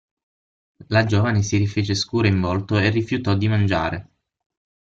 La giovane si rifece scura in volto e rifiutò di mangiare.